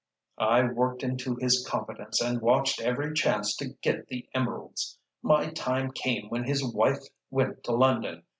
"I worked into his confidence, and watched every chance to get the emeralds. My time came when his wife went to London.